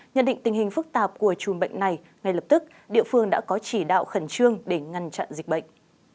nhận định tình hình phức tạp của chùm bệnh này ngay lập tức địa phương đã có chỉ đạo khẩn trương để ngăn chặn dịch bệnh